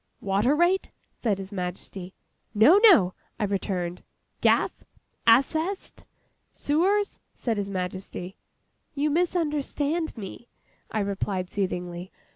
'Water rate?' said His Majesty. 'No, no,' I returned. 'Gas? Assessed? Sewers?' said His Majesty. 'You misunderstand me,' I replied, soothingly.